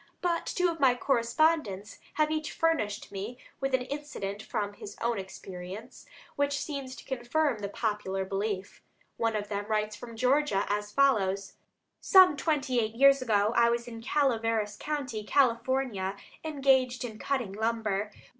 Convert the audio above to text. But two of my correspondents have each furnished me with an incident from his own experience, which seems to confirm the popular belief. One of them writes from Georgia as follows: "Some twenty eight years ago I was in Calaveras County, California, engaged in cutting lumber.